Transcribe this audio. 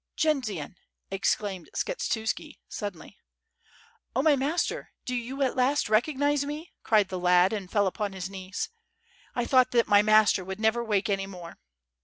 "Jendzian!" exclaimed Sksfhetuski, suddenly. "Oh, my master, do you at last recognize me?" cried the lad, and fell upon his knees. "I thought that my master would never wake any more."